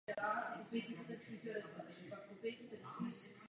Zcela se to lišilo od běžných povinných kolektivních projevů solidarity.